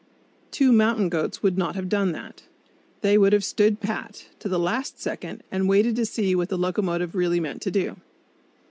Two mountain goats would not have done that. They would have "stood pat" to the last second, and waited to see what the locomotive really meant to do.